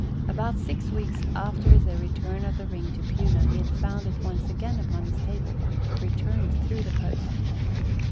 About six weeks after the return of the ring to Puna he had found it once again upon his table, returned through the post.